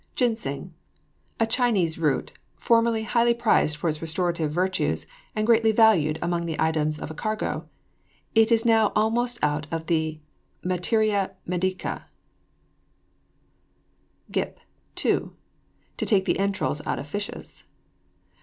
GINSENG. A Chinese root, formerly highly prized for its restorative virtues, and greatly valued among the items of a cargo. It is now almost out of the Materia Medica. GIP, TO. To take the entrails out of fishes.